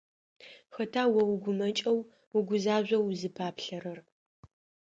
Хэта о угумэкӀэу угузажъоу узыпаплъэрэр?